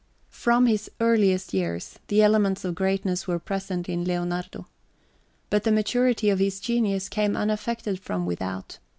From his earliest years, the elements of greatness were present in Leonardo. But the maturity of his genius came unaffected from without.